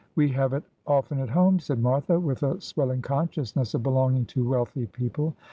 ' We have it often at home,' said Martha, with a swelling consciousness of belonging to wealthy people.